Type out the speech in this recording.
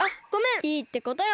いいってことよ。